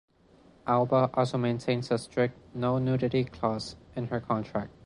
Alba also maintains a strict no-nudity clause in her contract.